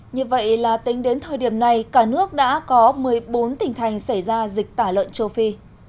như vậy là tính đến thời điểm này cả nước đã có một mươi bốn tỉnh thành xảy ra dịch tả lợn châu phi